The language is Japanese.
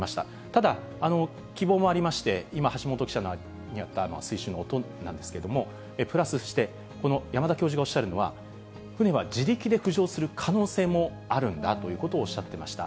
ただ希望もありまして、今、橋本記者にあった水深の音なんですけれども、プラスして、この山田教授がおっしゃるのは、船は自力で浮上する可能性もあるんだということをおっしゃっていました。